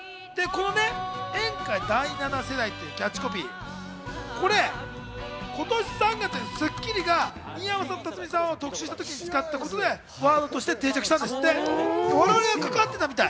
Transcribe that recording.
演歌第７世代というキャッチコピー、これ、今年３月に『スッキリ』が新浜さんと辰巳さんを特集した時に使ったことでワードとして定着したんですって。